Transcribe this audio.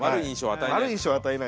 悪い印象は与えない。